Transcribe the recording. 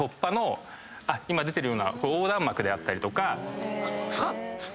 今出てるような横断幕であったりとか。